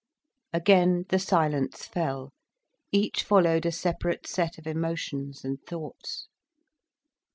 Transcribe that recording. Again the silence fell, each followed a separate set of emotions and thoughts.